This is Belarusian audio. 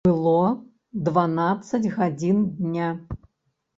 Было дванаццаць гадзін дня.